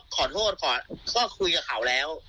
ขอโทษก็คุยกับเขาแล้ว